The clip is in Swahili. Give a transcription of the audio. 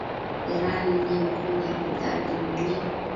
Iran Mji mkuu ni Abu Dhabi na mji